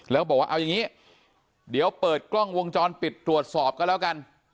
แล้วบอกว่าเอาอย่างนี้เดี๋ยวเปิดกล้องวงจรปิดตรวจสอบก็แล้วกัน